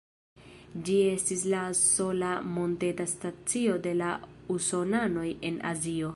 Ĝi estis la sola monteta stacio de la Usonanoj en Azio.